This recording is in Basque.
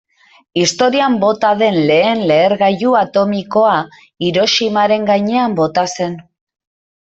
Historian bota den lehen lehergailu atomikoa Hiroshimaren gainean bota zen.